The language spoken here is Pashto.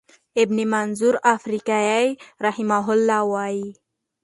ابن منظور افریقایی رحمه الله وایی،